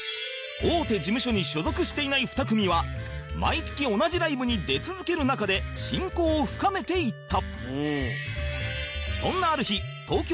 大手事務所に所属していない２組は毎月同じライブに出続ける中で親交を深めていった